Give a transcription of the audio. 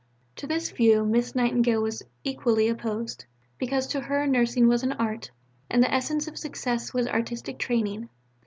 To this view Miss Nightingale was equally opposed, because to her Nursing was an Art, and the essence of success was artistic training.